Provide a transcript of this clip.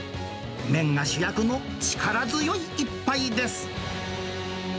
麺が主役の力強い一杯です。